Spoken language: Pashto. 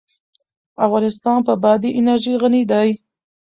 افغانستان په بادي انرژي غني دی.